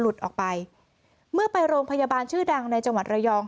ออกไปเมื่อไปโรงพยาบาลชื่อดังในจังหวัดระยอง